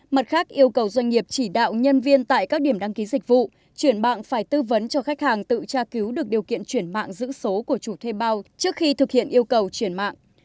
mặt khác yêu cầu doanh nghiệp chỉ đạo nhân viên tại các điểm đăng ký dịch vụ truyền mạng phải tư vấn cho khách hàng tự tra cứu được điều kiện truyền mạng giữ số của chủ thời bào trước khi thực hiện yêu cầu truyền mạng